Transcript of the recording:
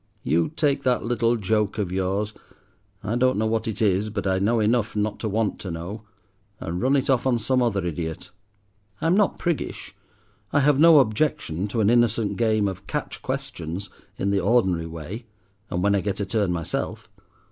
You take that little joke of yours,—I don't know what it is, but I know enough not to want to know,—and run it off on some other idiot. I'm not priggish. I have no objection to an innocent game of 'catch questions' in the ordinary way, and when I get a turn myself.